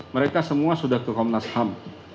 mereka semua sudah ke komnas ham